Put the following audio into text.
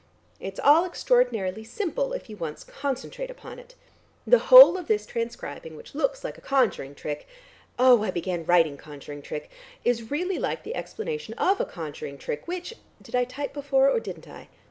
It's all extraordinarily simple if you once concentrate upon it. The whole of this transcribing which looks like a conjuring trick oh, I began writing 'conjuring trick' is really like the explanation of a conjuring trick, which did I type 'before,' or didn't I?